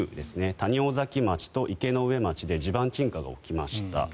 谷尾崎町と池上町で地盤沈下が起きました。